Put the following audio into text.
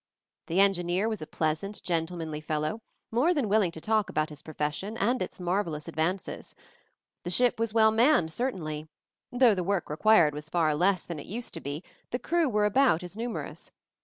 The engineer was a pleasant, gentlemanly fellow, more than willing to talk about his profession and its marvellous advances. The ship was well manned, certainly ; though the work required was far less than it used to be, the crew were about as numerous.